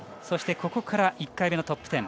そして、ここから１回目のトップ１０。